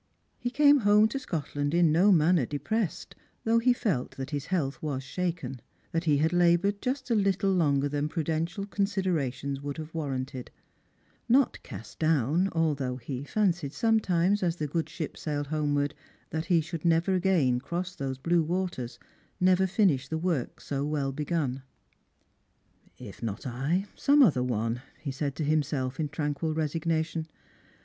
He came home to Scotland in no manner depressed, though ho felt that his health was shaken ; that he had laboured just a little longer than prudential considerations would have war ranted ; not cast down, although he fancied sometimes, as the good ship sailed homewards, that he should never again cross those blue waters, never finish the work so well begun. " If not I, some other one," he said to himself, in tranquil resignation.